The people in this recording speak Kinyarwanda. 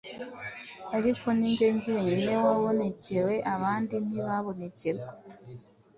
ariko ni jye jyenyine wabonekewe abandi ntibabonekerwa,